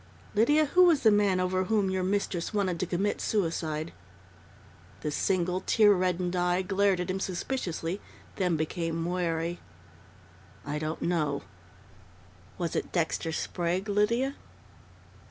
"Lydia, who was the man over whom your mistress wanted to commit suicide?" The single, tear reddened eye glared at him suspiciously, then became wary. "I don't know." "Was it Dexter Sprague, Lydia?"